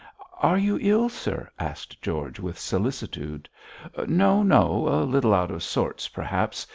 'Are you ill, sir?' asked George, with solicitude. 'No, no! a little out of sorts, perhaps.